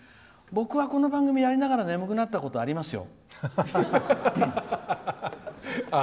僕は、この番組やりながら眠くなったときありますよ。